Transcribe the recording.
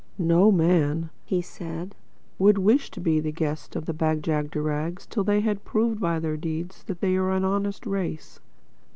"No man," said he, "would wish to be the guest of the Bag jagderags till they had proved by their deeds that they are an honest race.